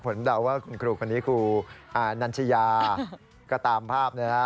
ผมเดาว่าครูคนนี้ครูนันชายาก็ตามภาพนะครับ